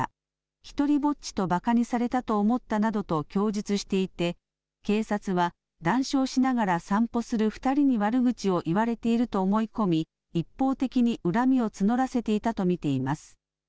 独りぼっちとばかにされたと思ったなどと供述していて、警察は談笑しながら散歩する２人に悪口を言われていると思い込み、一方的に恨みを募らせていたと見ています。